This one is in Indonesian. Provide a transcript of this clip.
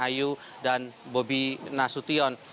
ayu dan bobi nasution